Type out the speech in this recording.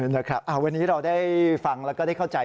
นะครับวันนี้เราได้ฟังแล้วก็ได้เข้าใจ